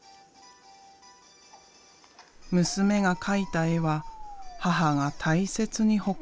娘が描いた絵は母が大切に保管している。